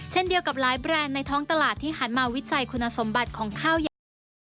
เช่นเดียวกับหลายแบรนด์ในท้องตลาดที่หันมาวิจัยคุณสมบัติของข้าวอย่างดี